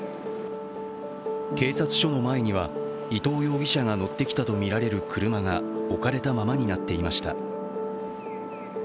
警察署の前には伊藤容疑者が乗ってきたとみられる車が置かれたままになっていました。